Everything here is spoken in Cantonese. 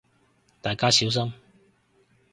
大家小心